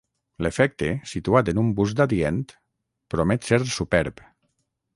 L'efecte, situat en un bust adient, promet ser superb.